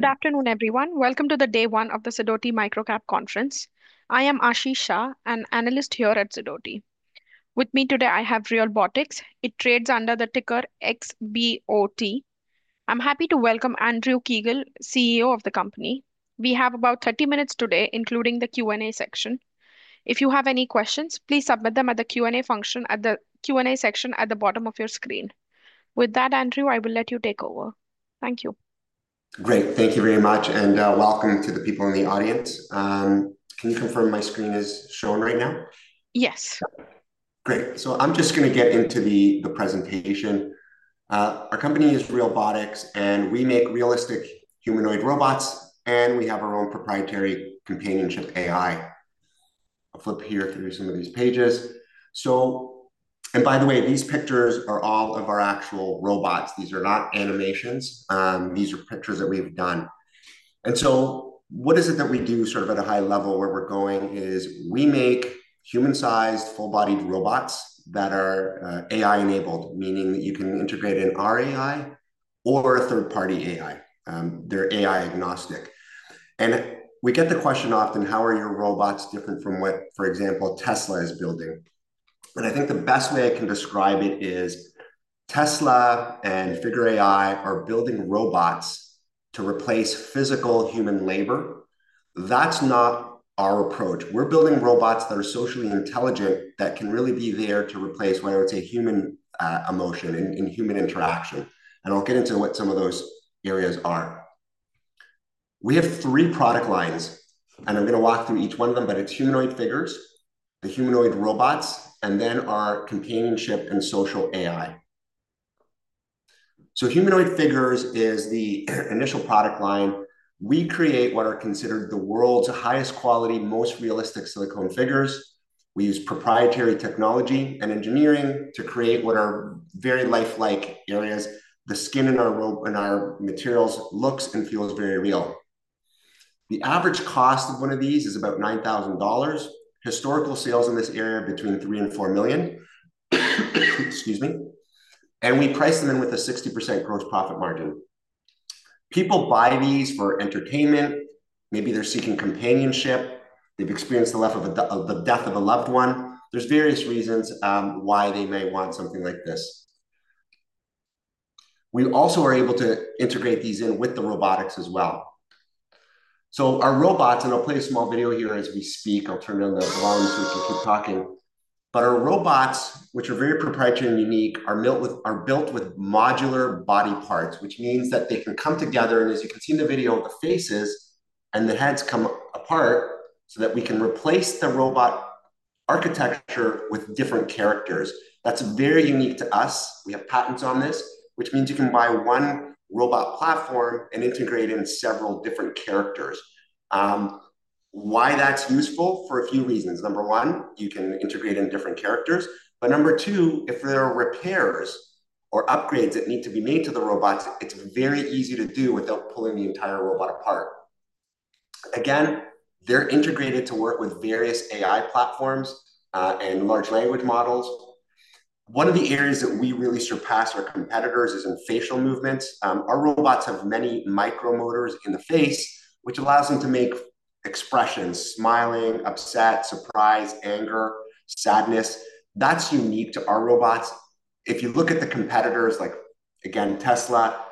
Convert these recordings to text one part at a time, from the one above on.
Good afternoon, everyone. Welcome to Day 1 of the Sidoti MicroCap Conference. I am Aashi Shah, an analyst here at Sidoti. With me today, I have Realbotix. It trades under the ticker XBOT. I'm happy to welcome Andrew Kiguel, CEO of the company. We have about 30 minutes today, including the Q&A section. If you have any questions, please submit them at the Q&A function at the Q&A section at the bottom of your screen. With that, Andrew, I will let you take over. Thank you. Great. Thank you very much and welcome to the people in the audience. Can you confirm my screen is shown right now? Yes. Great, so I'm just going to get into the presentation. Our company is Realbotix, and we make realistic humanoid robots, and we have our own proprietary companionship AI. I'll flip here through some of these pages, and by the way, these pictures are all of our actual robots. These are not animations. These are pictures that we've done, and so what is it that we do sort of at a high level where we're going is we make human-sized, full-bodied robots that are AI-enabled, meaning that you can integrate in our AI or a third-party AI. They're AI-agnostic, and we get the question often, how are your robots different from what, for example, Tesla is building? And I think the best way I can describe it is Tesla and Figure AI are building robots to replace physical human labor. That's not our approach. We're building robots that are socially intelligent that can really be there to replace whether it's a human emotion and human interaction. And I'll get into what some of those areas are. We have three product lines, and I'm going to walk through each one of them, but it's humanoid figures, the humanoid robots, and then our companionship and social AI. So humanoid figures is the initial product line. We create what are considered the world's highest quality, most realistic silicone figures. We use proprietary technology and engineering to create what are very lifelike areas. The skin in our materials looks and feels very real. The average cost of one of these is about $9,000. Historical sales in this area are between $3 million and $4 million. Excuse me. And we price them in with a 60% gross profit margin. People buy these for entertainment. Maybe they're seeking companionship. They've experienced the death of a loved one. There's various reasons why they may want something like this. We also are able to integrate these in with the robotics as well, so our robots, and I'll play a small video here as we speak. I'll turn on the volume switch and keep talking but our robots, which are very proprietary and unique, are built with modular body parts, which means that they can come together and as you can see in the video, the faces and the heads come apart so that we can replace the robot architecture with different characters. That's very unique to us. We have patents on this, which means you can buy one robot platform and integrate in several different characters. Why that's useful? For a few reasons. Number one, you can integrate in different characters. But number two, if there are repairs or upgrades that need to be made to the robots, it's very easy to do without pulling the entire robot apart. Again, they're integrated to work with various AI platforms and large language models. One of the areas that we really surpass our competitors is in facial movements. Our robots have many micromotors in the face, which allows them to make expressions: smiling, upset, surprise, anger, sadness. That's unique to our robots. If you look at the competitors, like again, Tesla,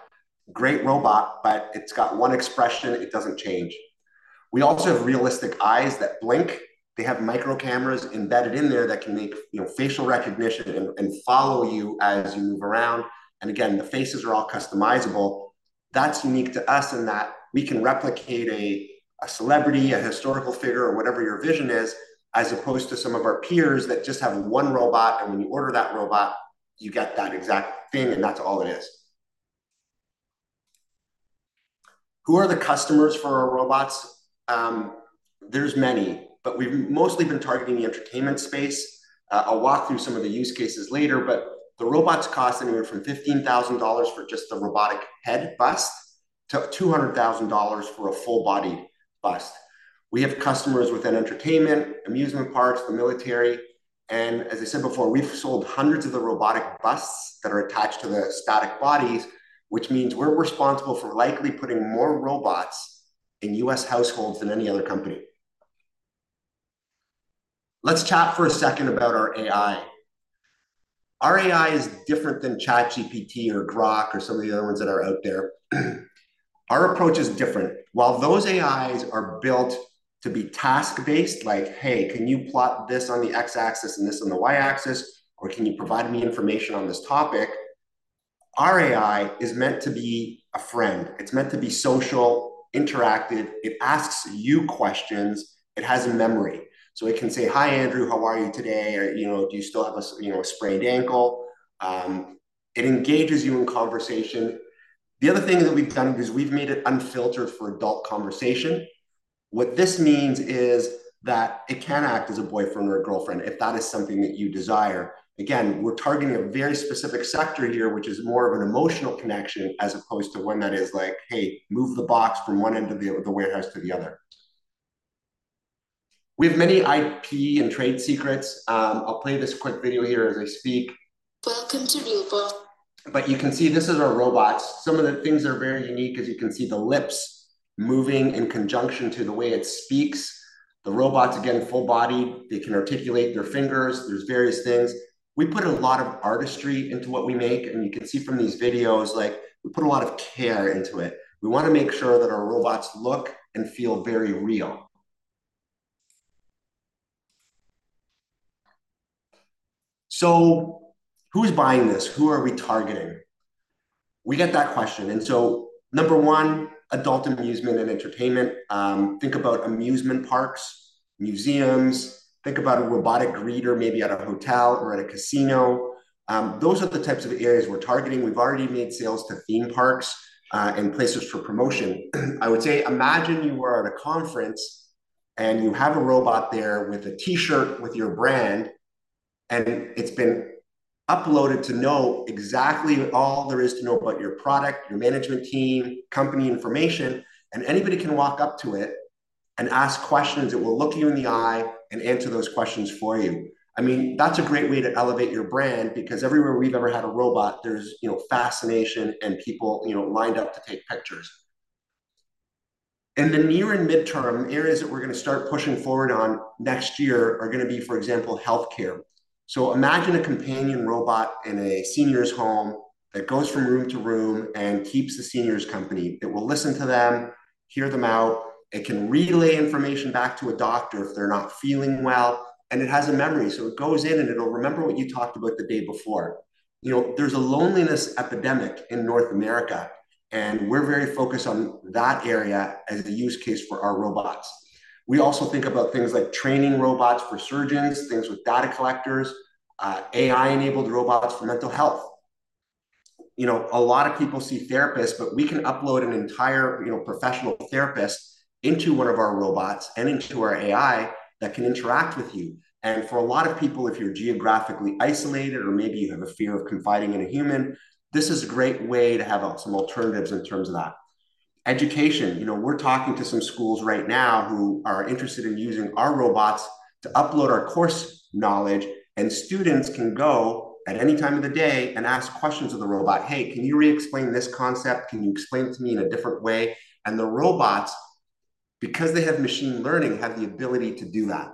great robot, but it's got one expression. It doesn't change. We also have realistic eyes that blink. They have microcameras embedded in there that can make facial recognition and follow you as you move around. And again, the faces are all customizable. That's unique to us in that we can replicate a celebrity, a historical figure, or whatever your vision is, as opposed to some of our peers that just have one robot. And when you order that robot, you get that exact thing, and that's all it is. Who are the customers for our robots? There's many, but we've mostly been targeting the entertainment space. I'll walk through some of the use cases later, but the robots cost anywhere from $15,000 for just the robotic head bust to $200,000 for a full-bodied bust. We have customers within entertainment, amusement parks, the military. And as I said before, we've sold hundreds of the robotic busts that are attached to the static bodies, which means we're responsible for likely putting more robots in U.S. households than any other company. Let's chat for a second about our AI. Our AI is different than ChatGPT or Grok or some of the other ones that are out there. Our approach is different. While those AIs are built to be task-based, like, "Hey, can you plot this on the x-axis and this on the y-axis, or can you provide me information on this topic?" Our AI is meant to be a friend. It's meant to be social, interactive. It asks you questions. It has a memory. So it can say, "Hi, Andrew, how are you today? Do you still have a sprained ankle?" It engages you in conversation. The other thing that we've done is we've made it unfiltered for adult conversation. What this means is that it can act as a boyfriend or a girlfriend if that is something that you desire. Again, we're targeting a very specific sector here, which is more of an emotional connection as opposed to one that is like, "Hey, move the box from one end of the warehouse to the other." We have many IP and trade secrets. I'll play this quick video here as I speak. Welcome to Realbotix. But you can see this is our robots. Some of the things are very unique as you can see the lips moving in conjunction to the way it speaks. The robots, again, full-bodied. They can articulate their fingers. There's various things. We put a lot of artistry into what we make. And you can see from these videos, we put a lot of care into it. We want to make sure that our robots look and feel very real. So who's buying this? Who are we targeting? We get that question. And so number one, adult amusement and entertainment. Think about amusement parks, museums. Think about a robotic greeter maybe at a hotel or at a casino. Those are the types of areas we're targeting. We've already made sales to theme parks and places for promotion. I would say, imagine you were at a conference and you have a robot there with a T-shirt with your brand, and it's been uploaded to know exactly all there is to know about your product, your management team, company information, and anybody can walk up to it and ask questions. It will look you in the eye and answer those questions for you. I mean, that's a great way to elevate your brand because everywhere we've ever had a robot, there's fascination and people lined up to take pictures. In the near and midterm, areas that we're going to start pushing forward on next year are going to be, for example, healthcare, so imagine a companion robot in a senior's home that goes from room to room and keeps the senior's company. It will listen to them, hear them out. It can relay information back to a doctor if they're not feeling well. And it has a memory. So it goes in and it'll remember what you talked about the day before. There's a loneliness epidemic in North America, and we're very focused on that area as a use case for our robots. We also think about things like training robots for surgeons, things with data collectors, AI-enabled robots for mental health. A lot of people see therapists, but we can upload an entire professional therapist into one of our robots and into our AI that can interact with you. And for a lot of people, if you're geographically isolated or maybe you have a fear of confiding in a human, this is a great way to have some alternatives in terms of that. Education. We're talking to some schools right now who are interested in using our robots to upload our course knowledge. And students can go at any time of the day and ask questions of the robot. "Hey, can you re-explain this concept? Can you explain it to me in a different way?" And the robots, because they have machine learning, have the ability to do that.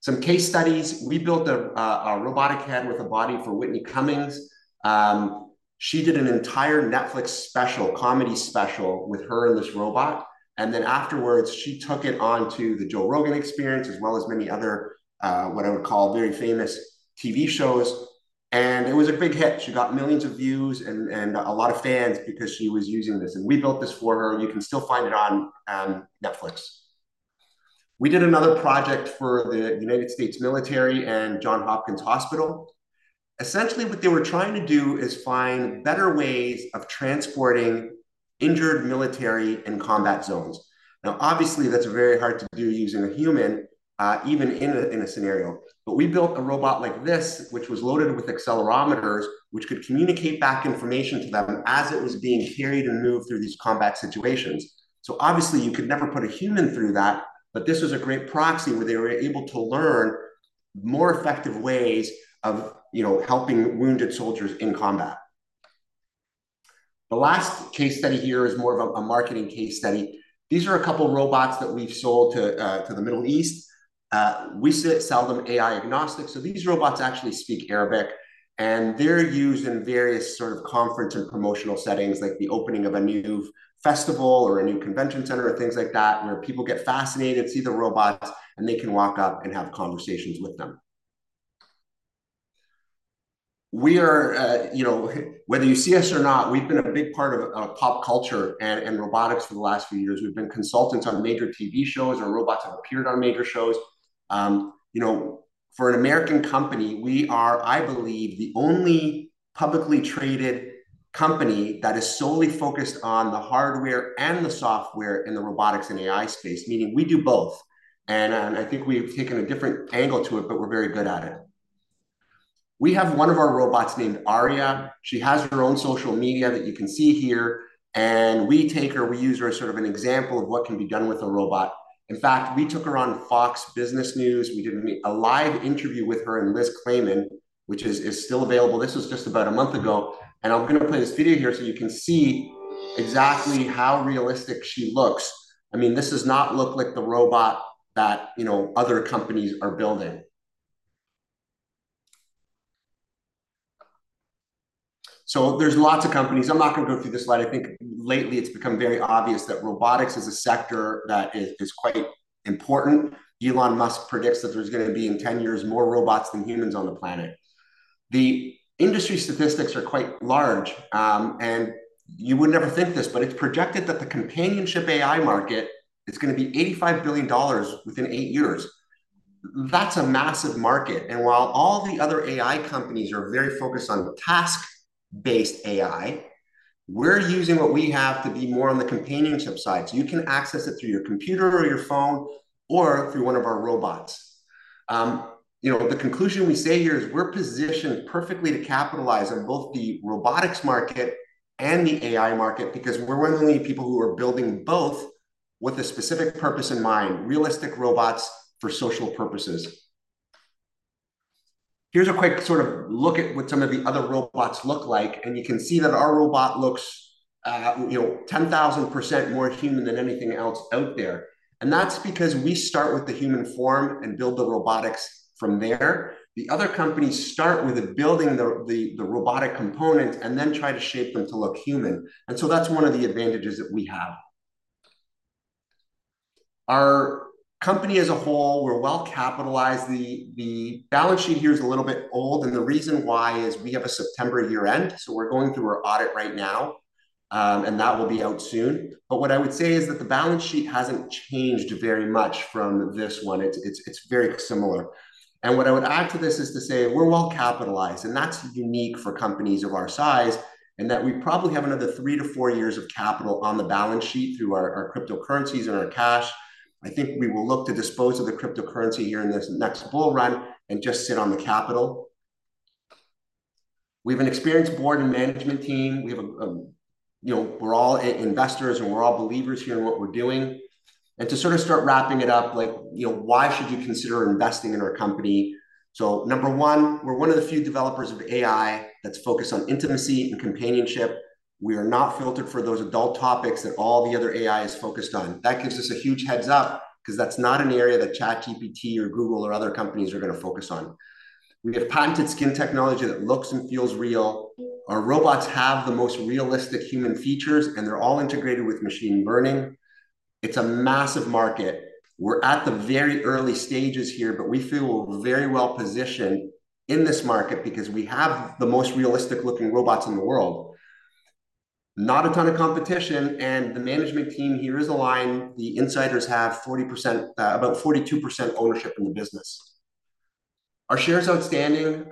Some case studies. We built a robotic head with a body for Whitney Cummings. She did an entire Netflix special, comedy special with her and this robot. And then afterwards, she took it on to the Joe Rogan Experience, as well as many other what I would call very famous TV shows. And it was a big hit. She got millions of views and a lot of fans because she was using this. And we built this for her. You can still find it on Netflix. We did another project for the United States Military and Johns Hopkins Hospital. Essentially, what they were trying to do is find better ways of transporting injured military in combat zones. Now, obviously, that's very hard to do using a human, even in a scenario, but we built a robot like this, which was loaded with accelerometers, which could communicate back information to them as it was being carried and moved through these combat situations, so obviously, you could never put a human through that, but this was a great proxy where they were able to learn more effective ways of helping wounded soldiers in combat. The last case study here is more of a marketing case study. These are a couple of robots that we've sold to the Middle East. We sell them AI-agnostic. So these robots actually speak Arabic, and they're used in various sort of conference and promotional settings, like the opening of a new festival or a new convention center or things like that, where people get fascinated, see the robots, and they can walk up and have conversations with them. Whether you see us or not, we've been a big part of pop culture and robotics for the last few years. We've been consultants on major TV shows. Our robots have appeared on major shows. For an American company, we are, I believe, the only publicly traded company that is solely focused on the hardware and the software in the robotics and AI space, meaning we do both. And I think we have taken a different angle to it, but we're very good at it. We have one of our robots named Aria. She has her own social media that you can see here. And we take her, we use her as sort of an example of what can be done with a robot. In fact, we took her on Fox Business News. We did a live interview with her and Liz Claman, which is still available. This was just about a month ago. And I'm going to play this video here so you can see exactly how realistic she looks. I mean, this does not look like the robot that other companies are building. So there's lots of companies. I'm not going to go through this slide. I think lately it's become very obvious that robotics is a sector that is quite important. Elon Musk predicts that there's going to be in 10 years more robots than humans on the planet. The industry statistics are quite large. You would never think this, but it's projected that the companionship AI market, it's going to be $85 billion within eight years. That's a massive market. And while all the other AI companies are very focused on task-based AI, we're using what we have to be more on the companionship side. So you can access it through your computer or your phone or through one of our robots. The conclusion we say here is we're positioned perfectly to capitalize on both the robotics market and the AI market because we're one of the only people who are building both with a specific purpose in mind, realistic robots for social purposes. Here's a quick sort of look at what some of the other robots look like. And you can see that our robot looks 10,000% more human than anything else out there. And that's because we start with the human form and build the robotics from there. The other companies start with building the robotic components and then try to shape them to look human. And so that's one of the advantages that we have. Our company as a whole, we're well capitalized. The balance sheet here is a little bit old. And the reason why is we have a September year-end. So we're going through our audit right now, and that will be out soon. But what I would say is that the balance sheet hasn't changed very much from this one. It's very similar. And what I would add to this is to say we're well capitalized. And that's unique for companies of our size in that we probably have another three to four years of capital on the balance sheet through our cryptocurrencies and our cash. I think we will look to dispose of the cryptocurrency here in this next bull run and just sit on the capital. We have an experienced board and management team. We're all investors, and we're all believers here in what we're doing. To sort of start wrapping it up, why should you consider investing in our company? Number one, we're one of the few developers of AI that's focused on intimacy and companionship. We are not filtered for those adult topics that all the other AI is focused on. That gives us a huge heads-up because that's not an area that ChatGPT or Google or other companies are going to focus on. We have patented skin technology that looks and feels real. Our robots have the most realistic human features, and they're all integrated with machine learning. It's a massive market. We're at the very early stages here, but we feel very well positioned in this market because we have the most realistic-looking robots in the world. Not a ton of competition, and the management team here is aligned. The insiders have about 42% ownership in the business. Our shares outstanding,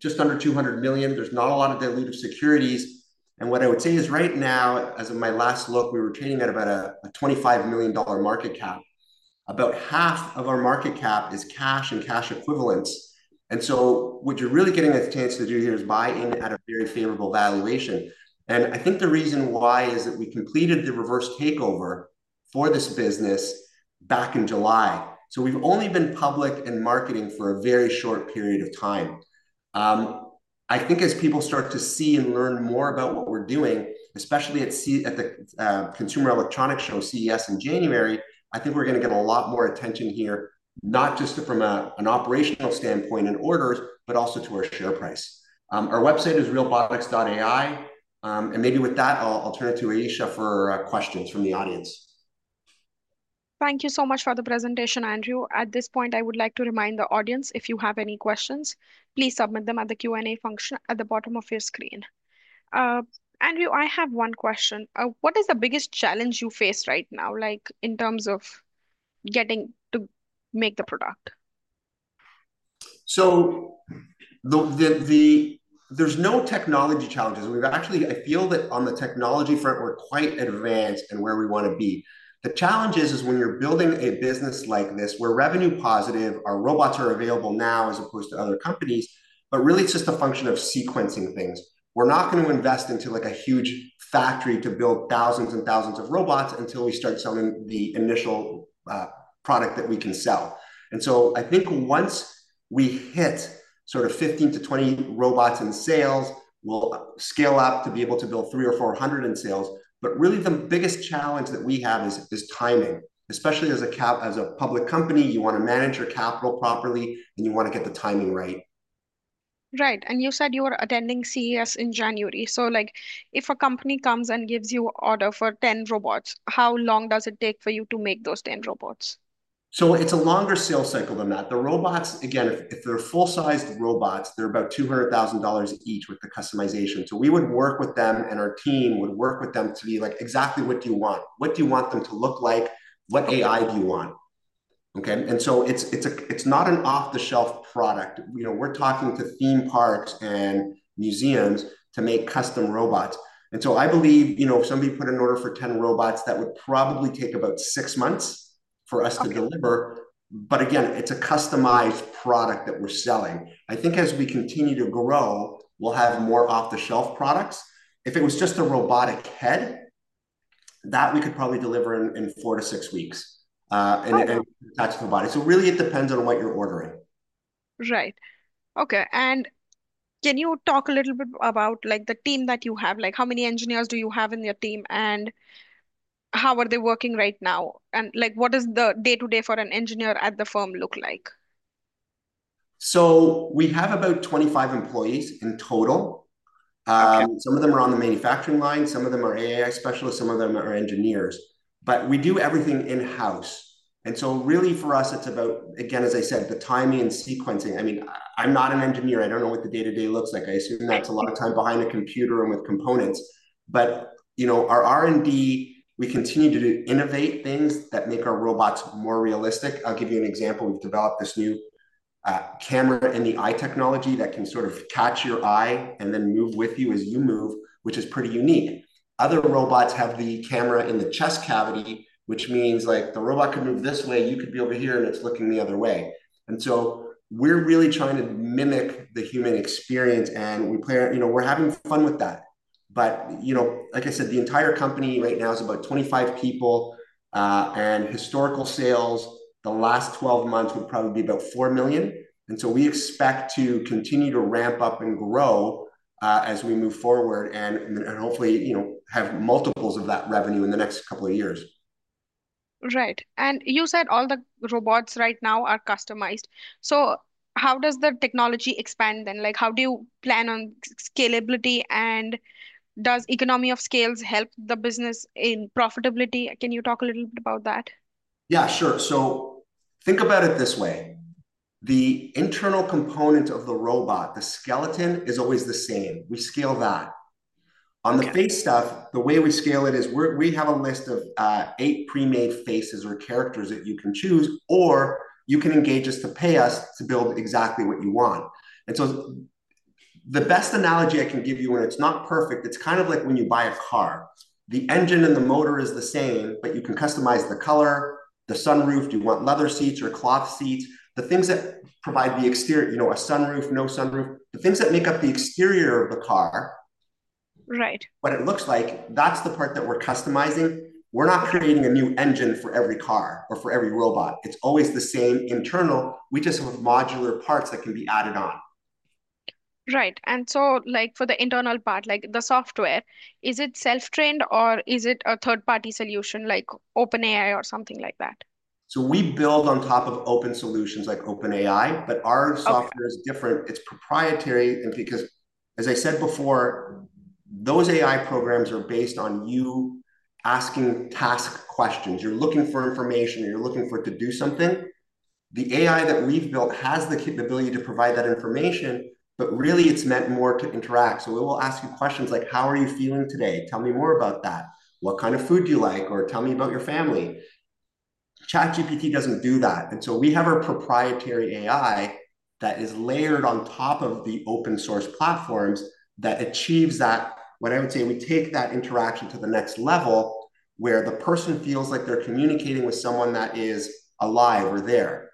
just under 200 million. There's not a lot of diluted securities, and what I would say is right now, as of my last look, we were trading at about a $25 million market cap. About half of our market cap is cash and cash equivalents, and so what you're really getting a chance to do here is buy in at a very favorable valuation, and I think the reason why is that we completed the reverse takeover for this business back in July, so we've only been public and marketing for a very short period of time. I think as people start to see and learn more about what we're doing, especially at the Consumer Electronics Show, CES in January, I think we're going to get a lot more attention here, not just from an operational standpoint and orders, but also to our share price. Our website is realbotix.ai. Maybe with that, I'll turn it to Aashi for questions from the audience. Thank you so much for the presentation, Andrew. At this point, I would like to remind the audience, if you have any questions, please submit them at the Q&A function at the bottom of your screen. Andrew, I have one question. What is the biggest challenge you face right now, in terms of getting to make the product? So there's no technology challenges. I feel that on the technology front, we're quite advanced in where we want to be. The challenge is when you're building a business like this where revenue positive, our robots are available now as opposed to other companies, but really it's just a function of sequencing things. We're not going to invest into a huge factory to build thousands and thousands of robots until we start selling the initial product that we can sell. And so I think once we hit sort of 15-20 robots in sales, we'll scale up to be able to build 300 or 400 in sales. But really, the biggest challenge that we have is timing. Especially as a public company, you want to manage your capital properly, and you want to get the timing right. Right. And you said you were attending CES in January. So if a company comes and gives you an order for 10 robots, how long does it take for you to make those 10 robots? It's a longer sales cycle than that. The robots, again, if they're full-sized robots, they're about $200,000 each with the customization. So we would work with them, and our team would work with them to be like, "Exactly what do you want? What do you want them to look like? What AI do you want?" Okay? And so it's not an off-the-shelf product. We're talking to theme parks and museums to make custom robots. And so I believe if somebody put an order for 10 robots, that would probably take about six months for us to deliver. But again, it's a customized product that we're selling. I think as we continue to grow, we'll have more off-the-shelf products. If it was just a robotic head, that we could probably deliver in four to six weeks and attach to the body. So really, it depends on what you're ordering. Right. Okay. And can you talk a little bit about the team that you have? How many engineers do you have in your team, and how are they working right now? And what does the day-to-day for an engineer at the firm look like? So we have about 25 employees in total. Some of them are on the manufacturing line. Some of them are AI specialists. Some of them are engineers. But we do everything in-house. And so really, for us, it's about, again, as I said, the timing and sequencing. I mean, I'm not an engineer. I don't know what the day-to-day looks like. I assume that's a lot of time behind a computer and with components. But our R&D, we continue to innovate things that make our robots more realistic. I'll give you an example. We've developed this new camera in the eye technology that can sort of catch your eye and then move with you as you move, which is pretty unique. Other robots have the camera in the chest cavity, which means the robot could move this way. You could be over here, and it's looking the other way. We're really trying to mimic the human experience, and we're having fun with that. Like I said, the entire company right now is about 25 people. Historical sales, the last 12 months would probably be about $4 million. We expect to continue to ramp up and grow as we move forward and hopefully have multiples of that revenue in the next couple of years. Right. And you said all the robots right now are customized. So how does the technology expand then? How do you plan on scalability, and does economies of scale help the business in profitability? Can you talk a little bit about that? Yeah, sure. So think about it this way. The internal component of the robot, the skeleton, is always the same. We scale that. On the face stuff, the way we scale it is we have a list of eight pre-made faces or characters that you can choose, or you can engage us to pay us to build exactly what you want. And so the best analogy I can give you, and it's not perfect, it's kind of like when you buy a car. The engine and the motor is the same, but you can customize the color, the sunroof. Do you want leather seats or cloth seats? The things that provide the exterior, a sunroof, no sunroof, the things that make up the exterior of the car, what it looks like, that's the part that we're customizing. We're not creating a new engine for every car or for every robot. It's always the same internally. We just have modular parts that can be added on. Right. And so for the internal part, the software, is it self-trained or is it a third-party solution like OpenAI or something like that? So we build on top of open solutions like OpenAI, but our software is different. It's proprietary. And because, as I said before, those AI programs are based on you asking task questions. You're looking for information, or you're looking for it to do something. The AI that we've built has the capability to provide that information, but really, it's meant more to interact. So it will ask you questions like, "How are you feeling today? Tell me more about that. What kind of food do you like? Or tell me about your family." ChatGPT doesn't do that. And so we have our proprietary AI that is layered on top of the open-source platforms that achieves that. What I would say, we take that interaction to the next level where the person feels like they're communicating with someone that is alive or there.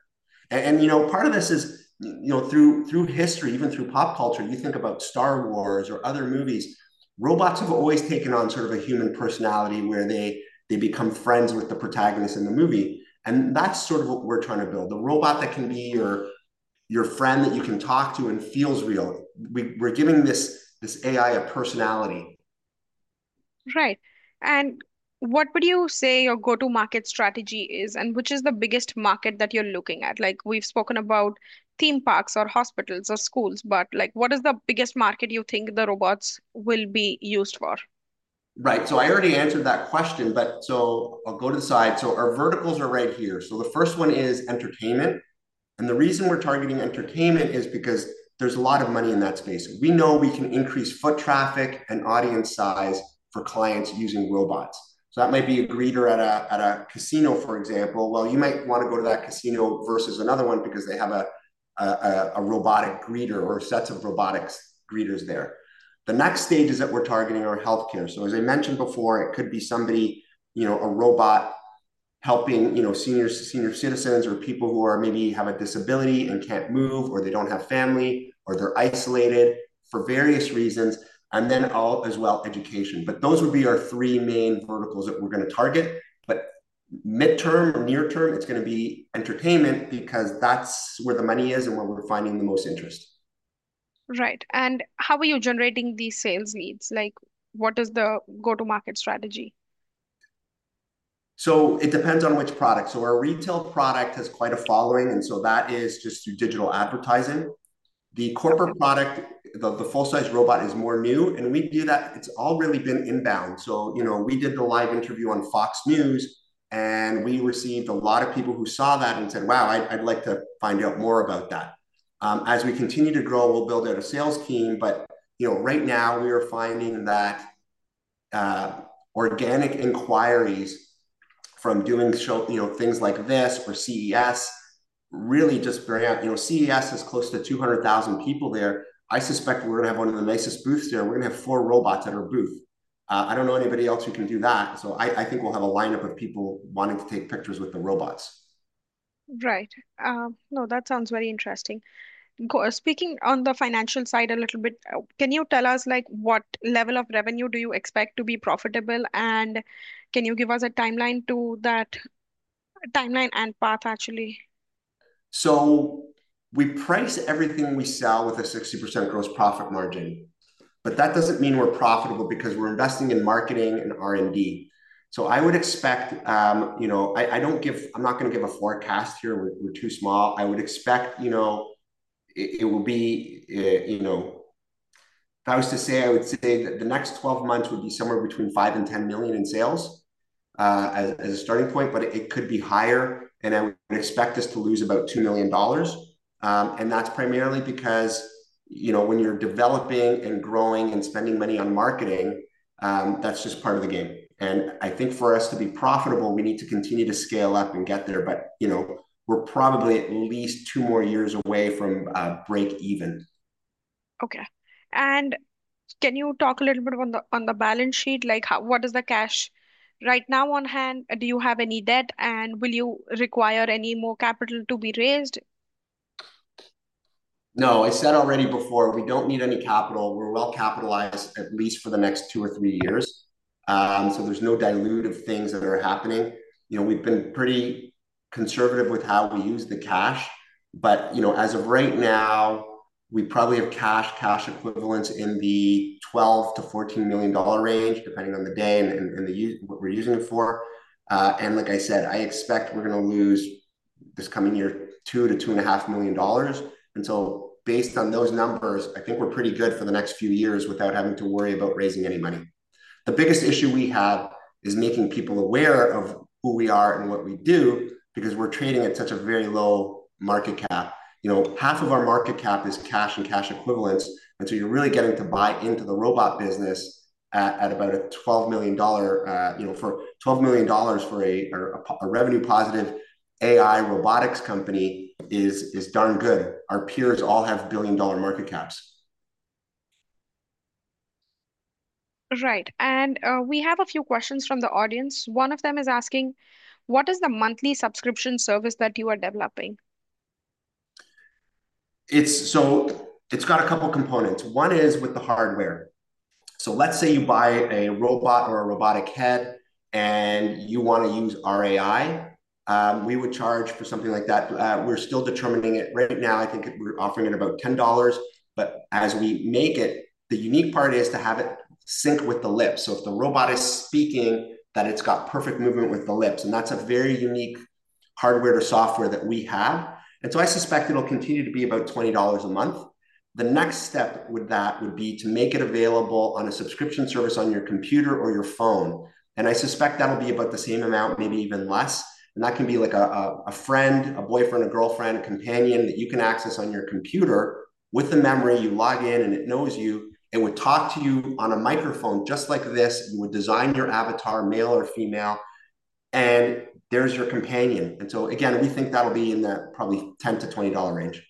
And part of this is through history, even through pop culture, you think about Star Wars or other movies. Robots have always taken on sort of a human personality where they become friends with the protagonist in the movie. And that's sort of what we're trying to build, the robot that can be your friend that you can talk to and feels real. We're giving this AI a personality. Right. And what would you say your go-to-market strategy is, and which is the biggest market that you're looking at? We've spoken about theme parks or hospitals or schools, but what is the biggest market you think the robots will be used for? Right, so I already answered that question, but so I'll go to the side, so our verticals are right here. So the first one is entertainment. And the reason we're targeting entertainment is because there's a lot of money in that space. We know we can increase foot traffic and audience size for clients using robots. So that might be a greeter at a casino, for example. Well, you might want to go to that casino versus another one because they have a robotic greeter or sets of robotics greeters there. The next stage is that we're targeting our healthcare. So as I mentioned before, it could be somebody, a robot helping senior citizens or people who maybe have a disability and can't move, or they don't have family, or they're isolated for various reasons. And then as well, education. But those would be our three main verticals that we're going to target. But midterm or near-term, it's going to be entertainment because that's where the money is and where we're finding the most interest. Right. And how are you generating these sales leads? What is the go-to-market strategy? So it depends on which product. So our retail product has quite a following, and so that is just through digital advertising. The corporate product, the full-size robot is more new. And we do that. It's all really been inbound. So we did the live interview on Fox Business News, and we received a lot of people who saw that and said, "Wow, I'd like to find out more about that." As we continue to grow, we'll build out a sales team. But right now, we are finding that organic inquiries from doing things like this or CES really just very CES has close to 200,000 people there. I suspect we're going to have one of the nicest booths there. We're going to have four robots at our booth. I don't know anybody else who can do that. I think we'll have a lineup of people wanting to take pictures with the robots. Right. No, that sounds very interesting. Speaking on the financial side a little bit, can you tell us what level of revenue do you expect to be profitable? And can you give us a timeline to that timeline and path, actually? We price everything we sell with a 60% gross profit margin. But that doesn't mean we're profitable because we're investing in marketing and R&D. I would expect. I'm not going to give a forecast here. We're too small. I would expect it will be if I was to say, I would say that the next 12 months would be somewhere between $5 million and $10 million in sales as a starting point, but it could be higher. I would expect us to lose about $2 million. That's primarily because when you're developing and growing and spending money on marketing, that's just part of the game. I think for us to be profitable, we need to continue to scale up and get there. We're probably at least two more years away from break-even. Okay. And can you talk a little bit on the balance sheet? What is the cash right now on hand? Do you have any debt, and will you require any more capital to be raised? No. I said already before, we don't need any capital. We're well-capitalized at least for the next two or three years. So there's no dilutive things that are happening. We've been pretty conservative with how we use the cash. But as of right now, we probably have cash equivalents in the $12 million-$14 million range, depending on the day and what we're using it for. And like I said, I expect we're going to lose this coming year $2 million-$2.5 million. And so based on those numbers, I think we're pretty good for the next few years without having to worry about raising any money. The biggest issue we have is making people aware of who we are and what we do because we're trading at such a very low market cap. Half of our market cap is cash and cash equivalents. And so you're really getting to buy into the robot business at about a $12 million for $12 million for a revenue-positive AI robotics company is darn good. Our peers all have billion-dollar market caps. Right. And we have a few questions from the audience. One of them is asking, what is the monthly subscription service that you are developing? So it's got a couple of components. One is with the hardware. So let's say you buy a robot or a robotic head and you want to use our AI. We would charge for something like that. We're still determining it right now. I think we're offering it about $10. But as we make it, the unique part is to have it sync with the lips. So if the robot is speaking, that it's got perfect movement with the lips. And that's a very unique hardware to software that we have. And so I suspect it'll continue to be about $20 a month. The next step with that would be to make it available on a subscription service on your computer or your phone. And I suspect that'll be about the same amount, maybe even less. And that can be like a friend, a boyfriend, a girlfriend, a companion that you can access on your computer with the memory. You log in, and it knows you. It would talk to you on a microphone just like this. You would design your avatar, male or female, and there's your companion. And so again, we think that'll be in that probably $10-$20 range.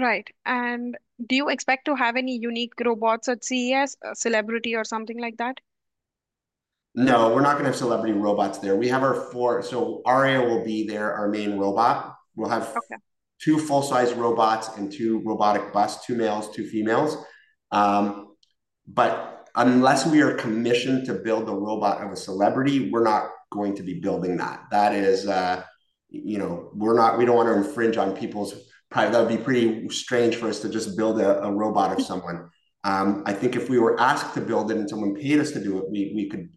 Right. And do you expect to have any unique robots at CES, a celebrity or something like that? No, we're not going to have celebrity robots there. We have our four. So Aria will be there, our main robot. We'll have two full-size robots and two robotic busts, two males, two females. But unless we are commissioned to build the robot of a celebrity, we're not going to be building that. That is, we don't want to infringe on people's privacy. That would be pretty strange for us to just build a robot of someone. I think if we were asked to build it and someone paid us to do it, we could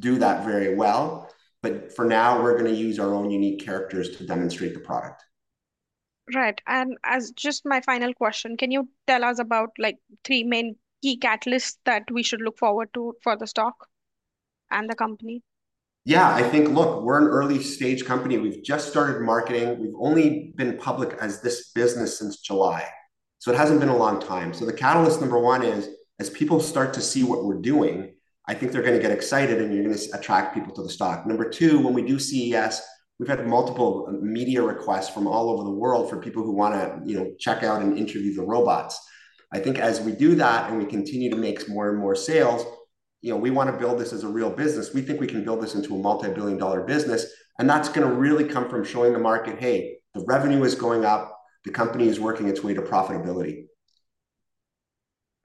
do that very well. But for now, we're going to use our own unique characters to demonstrate the product. Right. And as just my final question, can you tell us about three main key catalysts that we should look forward to for the stock and the company? Yeah. I think, look, we're an early-stage company. We've just started marketing. We've only been public as this business since July. So it hasn't been a long time. So the catalyst number one is, as people start to see what we're doing, I think they're going to get excited, and you're going to attract people to the stock. Number two, when we do CES, we've had multiple media requests from all over the world for people who want to check out and interview the robots. I think as we do that and we continue to make more and more sales, we want to build this as a real business. We think we can build this into a multi-billion-dollar business. And that's going to really come from showing the market, "Hey, the revenue is going up. The company is working its way to profitability.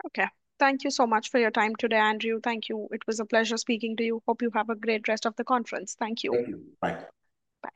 Okay. Thank you so much for your time today, Andrew. Thank you. It was a pleasure speaking to you. Hope you have a great rest of the conference. Thank you. Thank you. Bye. Bye.